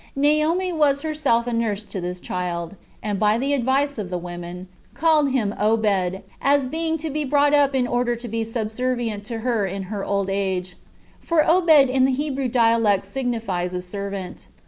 Naomi was herself a nurse to this child; and by the advice of the women, called him Obed, as being to be brought up in order to be subservient to her in her old age, for Obed in the Hebrew dialect signifies a servant.